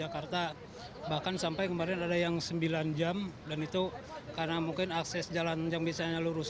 kemarin ada yang sembilan jam dan itu karena mungkin akses jalan yang biasanya lurus